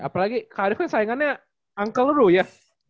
apalagi kak arief kan sayangannya uncle roo ya